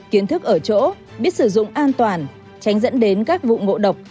kiến thức ở chỗ biết sử dụng an toàn tránh dẫn đến các vụ ngộ độc